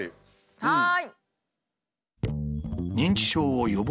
はい。